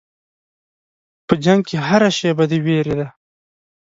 په جنګ کې هره شېبه د وېرې ده.